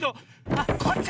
あっこっち？